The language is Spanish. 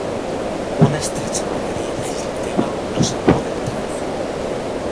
Una estrecha mayoría legislativa lo salvó del trance.